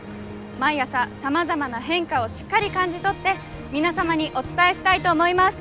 毎朝さまざまな変化をしっかり感じ取って皆様にお伝えしたいと思います。